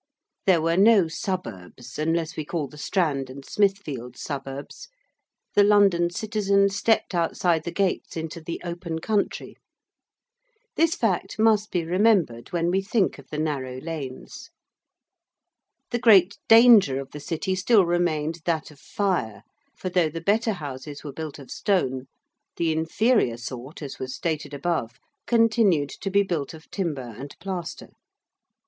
There were no suburbs, unless we call the Strand and Smithfield suburbs; the London citizen stepped outside the gates into the open country. This fact must be remembered when we think of the narrow lanes. The great danger of the City still remained, that of fire, for though the better houses were built of stone, the inferior sort, as was stated above, continued to be built of timber and plaster.